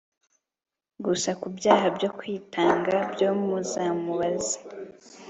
gusa ku byaha byo kwitanga byo muzamubaze